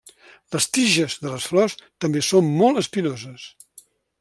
Les tiges de les flors també són molt espinoses.